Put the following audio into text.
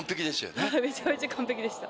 めちゃめちゃ完璧でした。